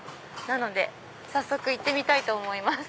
なので行ってみたいと思います。